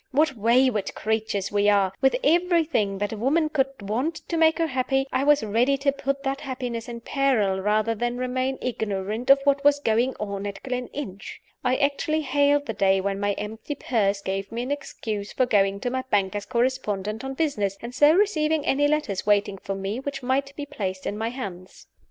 What wayward creatures we are! With everything that a woman could want to make her happy, I was ready to put that happiness in peril rather than remain ignorant of what was going on at Gleninch! I actually hailed the day when my empty purse gave me an excuse for going to my banker's correspondent on business, and so receiving any letters waiting for me which might be placed in my hands.